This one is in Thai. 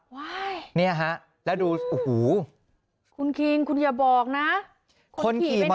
ว้ายนี่ฮะแล้วดูโอ้โฮ